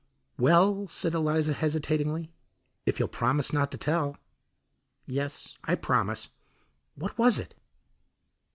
"Well," said Eliza hesitatingly, "if you'll promise not to tell." "Yes, I promise; what was it?"